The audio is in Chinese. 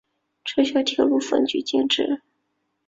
撤销铁路分局建制。